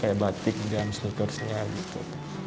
kayak batik dan seterusnya gitu